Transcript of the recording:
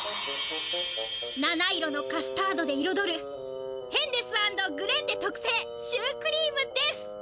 七色のカスタードでいろどるヘンデス＆グレーテとくせいシュークリームです！